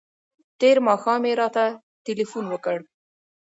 تېر ماښام یې راته تلیفون وکړ.